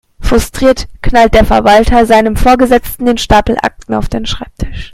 Frustriert knallt der Verwalter seinem Vorgesetzten den Stapel Akten auf den Schreibtisch.